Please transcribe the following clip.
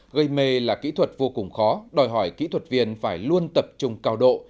gây mê là kỹ thuật vô cùng khó đòi hỏi kỹ thuật viên phải luôn tập trung cao độ